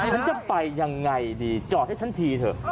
ฉันจะไปยังไงดีจอดให้ฉันทีเถอะ